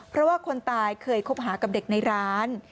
เพราะว่าคนตายเคยคบหากับเด็กในร้าน